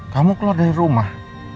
kamu keluar dari rumah